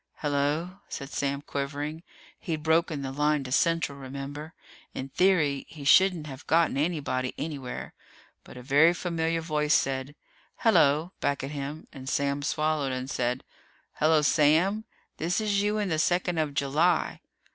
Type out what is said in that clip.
"Hello!" said Sam, quivering. He'd broken the line to Central, remember. In theory, he shouldn't have gotten anybody anywhere. But a very familiar voice said "Hello" back at him, and Sam swallowed and said, "Hello, Sam. This is you in the second of July."